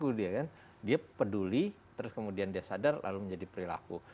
dia kan dia peduli terus kemudian dia sadar lalu menjadi perilaku